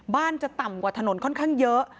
จะต่ำกว่าถนนค่อนข้างเยอะ